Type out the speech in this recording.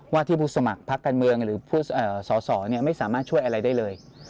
ที่ผู้สมัครพักการเมืองหรือผู้สอสอไม่สามารถช่วยอะไรได้เลย